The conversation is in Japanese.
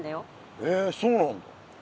へえそうなんだ。